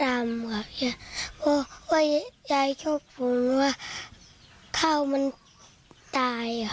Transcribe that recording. แล้วก็รัมกว่ายายชอบผมว่าข้าวมันตาย